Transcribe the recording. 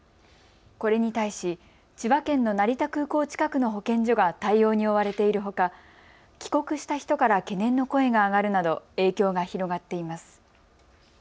これに対し千葉県の成田空港近くの保健所が対応に追われているほか帰国した人から懸念の声が上がるなど影響が広がっています。